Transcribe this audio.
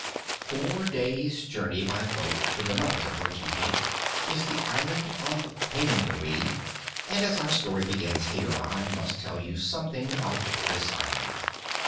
Four days' journey by boat to the north of Rinkitink is the Island of Pingaree, and as our story begins here I must tell you something about this island.